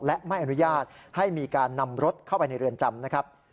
และไม่อนุญาตให้มีการนำรถเข้าไปในเรือนจำนะครับ